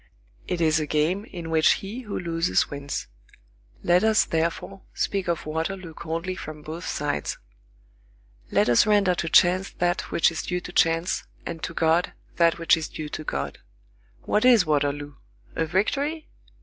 It is a game in which he who loses wins. Let us, therefore, speak of Waterloo coldly from both sides. Let us render to chance that which is due to chance, and to God that which is due to God. What is Waterloo? A victory?